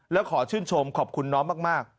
แล้วขอชื่นชมขอบคุณน้องมาก